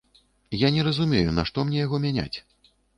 Я не разумею нашто мне яго мяняць.